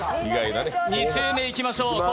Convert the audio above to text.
２周目いきましょう。